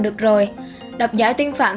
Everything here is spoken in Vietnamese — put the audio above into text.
được rồi đọc giả tinh phạm